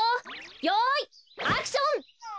よいアクション！